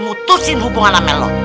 mutusin hubungan amel lu